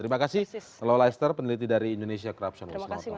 terima kasih lola lester peneliti dari indonesia corruption